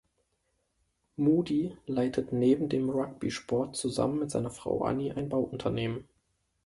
Moody leitet neben dem Rugbysport zusammen mit seiner Frau Annie ein Bauunternehmen.